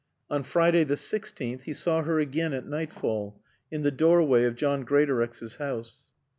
On Friday the sixteenth he saw her again at nightfall, in the doorway of John Greatorex's house.